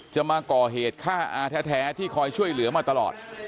จะมาก่อเหตุฆ่าอาแท้ที่คอยช่วยเหลือมาตลอด